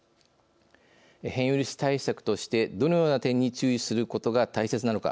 変異ウイルス対策としてどのような点に注意することが大切なのか